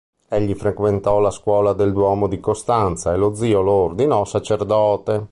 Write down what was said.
Egli frequentò la scuola del Duomo di Costanza e lo zio lo ordinò sacerdote.